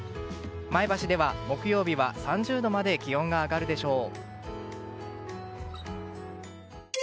前橋では木曜日は３０度まで気温が上がるでしょう。